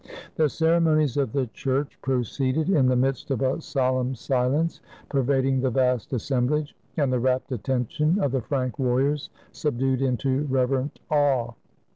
The ceremonies of the Church proceeded in the midst of a solemn silence pervading the vast assemblage, and the rapt attention of the Frank warriors, subdued into reverent awe.